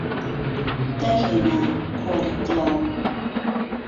دایهێنا کۆڵی گڵاو